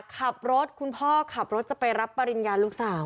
ขับรถคุณพ่อขับรถจะไปรับปริญญาลูกสาว